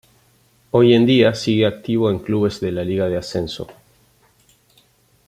Hoy en día sigue activo en clubes de la Liga de Ascenso.